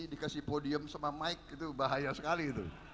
di podium sama mic bahaya sekali